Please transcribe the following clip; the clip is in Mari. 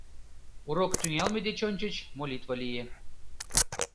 Урок тӱҥалме деч ончыч молитва лие.